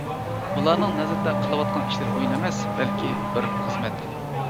ئۇلارنىڭ نەزىرىدە قىلىۋاتقان ئىشلىرى ئويۇن ئەمەس، بەلكى بىر خىزمەت.